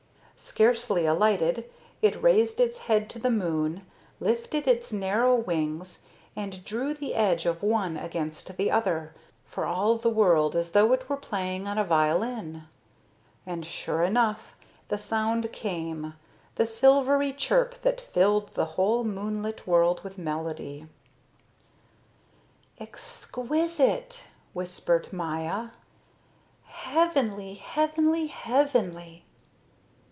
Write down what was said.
Scarcely alighted, it raised its head to the moon, lifted its narrow wings, and drew the edge of one against the other, for all the world as though it were playing on a violin. And sure enough, the sound came, the silvery chirp that filled the whole moonlit world with melody. "Exquisite," whispered Maya, "heavenly, heavenly, heavenly."